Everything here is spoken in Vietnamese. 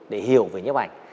để hiểu về nhóm ảnh